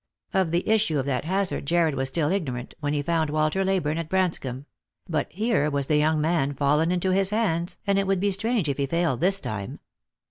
Of the issue of that hazard Jarred was still ignorant, when he found Walter Leyburne at Branscomb ; but here was the young man fallen into his hands, and it would be strange if he failed this time.